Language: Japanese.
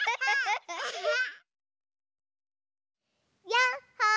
やっほ！